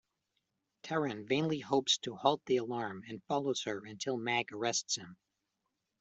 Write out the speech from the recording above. Taran vainly hopes to halt the alarm and follows her until Magg arrests him.